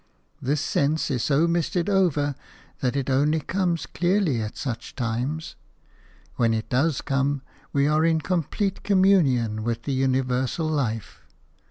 This sense is so misted over that it only comes clearly at such times. When it does come, we are in complete communion with the universal life.